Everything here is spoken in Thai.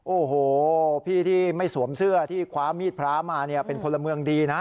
โอ้โหพี่ที่ไม่สวมเสื้อที่คว้ามีดพระมาเนี่ยเป็นพลเมืองดีนะ